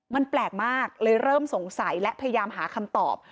มันแปลกมากเลยเริ่มสงสัยและพยายามหาคำตอบ